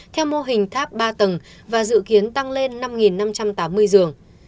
theo mô hình tháp ba tầng và dự kiến tăng lên năm năm trăm tám mươi giường